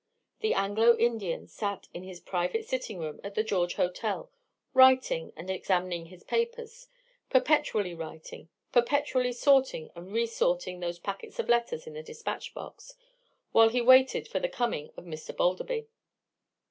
The Anglo Indian sat in his private sitting room at the George Hotel, writing, and examining his papers—perpetually writing, perpetually sorting and re sorting those packets of letters in the despatch box—while he waited for the coming of Mr. Balderby.